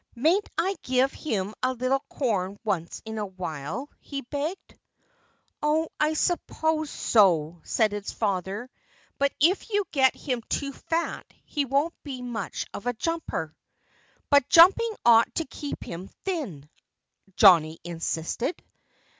"Mayn't I give him a little corn once in a while?" he begged. "Oh, I suppose so," said his father. "But if you get him too fat he won't be much of a jumper." "But jumping ought to keep him thin," Johnnie insisted.